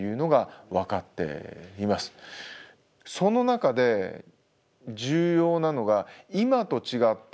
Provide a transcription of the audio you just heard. その中で重要なのが今と違って何でしょうね